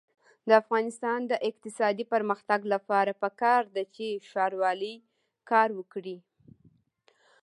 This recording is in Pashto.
د افغانستان د اقتصادي پرمختګ لپاره پکار ده چې ښاروالي کار وکړي.